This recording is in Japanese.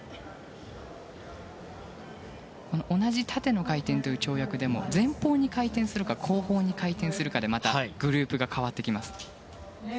同じ縦の回転という跳躍でも前方に回転するか後方に回転するかでまたグループが変わってきます。